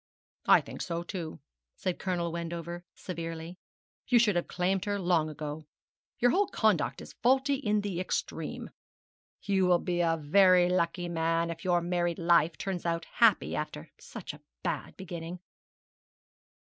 'I think so too,' said Colonel Wendover, severely; 'you should have claimed her long ago. Your whole conduct is faulty in the extreme. You will be a very lucky man if your married life turns out happy after such a bad beginning.'